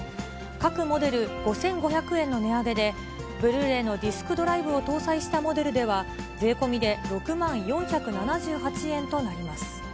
各モデル５５００円の値上げで、ブルーレイのディスクドライブを搭載したモデルでは、税込みで６万４７８円となります。